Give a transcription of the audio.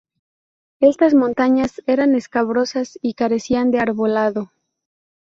Estas montañas eran escabrosas y carecían de arbolado.